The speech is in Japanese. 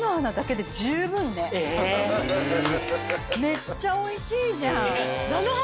めっちゃおいしいじゃん。